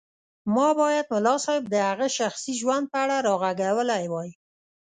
ما بايد ملا صيب د هغه شخصي ژوند په اړه راغږولی وای.